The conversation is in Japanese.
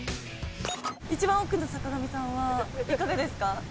一番奥の坂上さんはいかがですか？